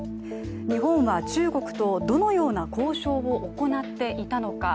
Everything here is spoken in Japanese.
日本や中国とどのような交渉を行っていたのか。